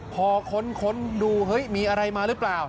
พอค้นดูเฮ้ยมีอะไรมาหรือเปล่า